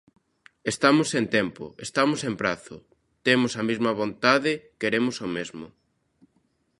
Estamos en tempo, estamos en prazo, temos a mesma vontade, queremos o mesmo.